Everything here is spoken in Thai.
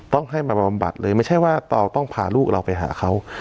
ต้องให้มาบำบัดเลยไม่ใช่ว่าเราต้องพาลูกเราไปหาเขา